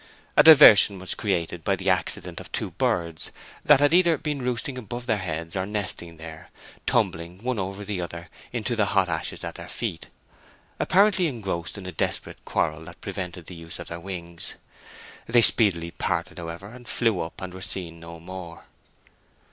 A diversion was created by the accident of two birds, that had either been roosting above their heads or nesting there, tumbling one over the other into the hot ashes at their feet, apparently engrossed in a desperate quarrel that prevented the use of their wings. They speedily parted, however, and flew up, and were seen no more.